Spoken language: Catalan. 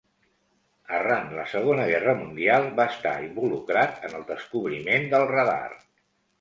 Arran la Segona Guerra Mundial va estar involucrat en el descobriment del radar.